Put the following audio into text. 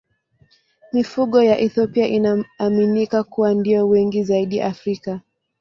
Mifugo ya Ethiopia inaaminika kuwa ndiyo wengi zaidi Afrika.